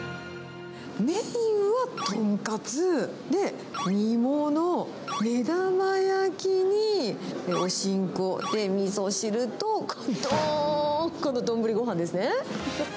メインは豚カツ、で、煮物、目玉焼きに、お新香、みそ汁とどーんとこの丼ご飯ですね。